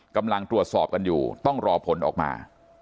กำลังตรวจสอบกันอยู่ต้องรอผลออกมา